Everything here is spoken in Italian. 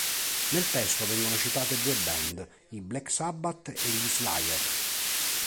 Nel testo vengono citate due band: i Black Sabbath e gli Slayer.